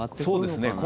そうですね。